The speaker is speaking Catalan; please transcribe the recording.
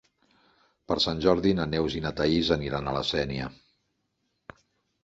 Per Sant Jordi na Neus i na Thaís aniran a la Sénia.